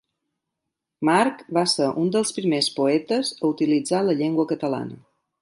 March va ser un dels primers poetes a utilitzar la llengua catalana.